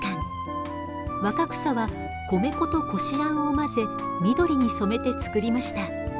若草は米粉とこしあんを混ぜ緑に染めて作りました。